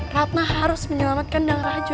kita harus menyelamatkan dam raja